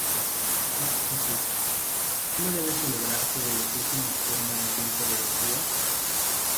Cap X: Cómo debe celebrarse el oficio nocturno en tiempo de estío.